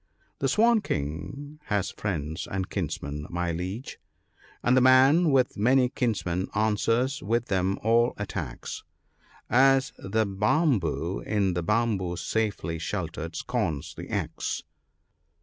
The Swan king has friends and kinsmen, my Liege :—" And the man with many kinsmen answers with them all attacks ; As the bambu, in the bambus safely sheltered, scorns the axe."